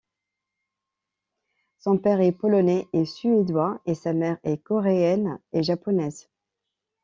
Son père est polonais et suédois, et sa mère est coréenne et japonaise.